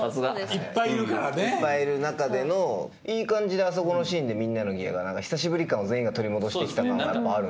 いっぱいいる中でのいい感じであそこのシーンでみんなのギアが久しぶり感を全員が取り戻して来た感があるんで。